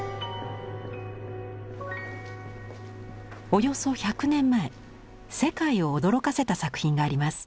およそ１００年前世界を驚かせた作品があります。